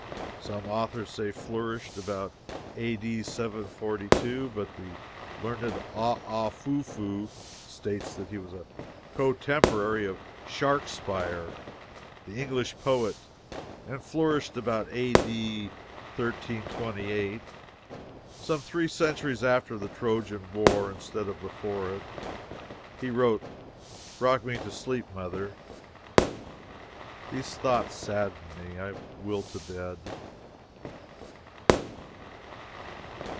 Some authors say flourished about A. D. 742; but the learned Ah ah Foo foo states that he was a cotemporary of Scharkspyre, the English poet, and flourished about A. D. 1328, some three centuries after the Trojan war instead of before it. He wrote 'Rock me to Sleep, Mother.'" These thoughts sadden me. I will to bed.